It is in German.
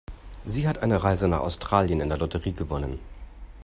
Sie hat eine Reise nach Australien in der Lotterie gewonnen.